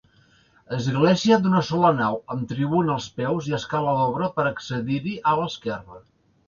Església d'una sola nau, amb tribuna als peus i escala d'obra per accedir-hi, a l'esquerra.